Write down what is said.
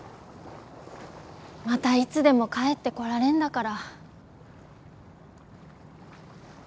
またいつでも帰ってこられんだから。